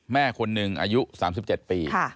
แม่คนหนึ่งอายุ๓๗ปี